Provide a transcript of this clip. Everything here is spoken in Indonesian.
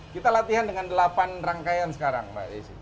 kita latihan dengan delapan rangkaian sekarang mbak desi